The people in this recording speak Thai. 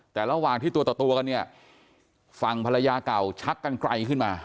แต่ระหว่างที่ตัวต่อตัวกันเนี่ยฝั่งภรรยาเก่าชักกันไกลขึ้นมา